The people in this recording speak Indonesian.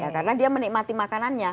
karena dia menikmati makanannya